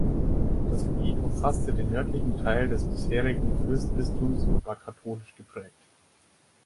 Das Gebiet umfasste den nördlichen Teil des bisherigen Fürstbistums und war katholisch geprägt.